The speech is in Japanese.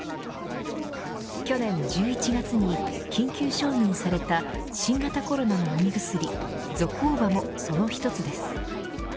去年１１月に緊急承認された新型コロナの飲み薬ゾコーバもその一つです。